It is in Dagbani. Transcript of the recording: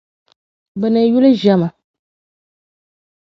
bɛ ni yuli ʒiɛm ma.